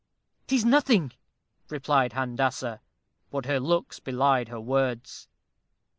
"'Tis nothing," replied Handassah. But her looks belied her words.